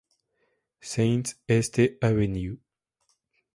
Sáenz Este, Av.